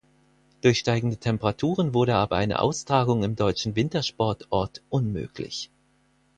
Durch steigende Temperaturen wurde aber eine Austragung im deutschen Wintersportort unmöglich.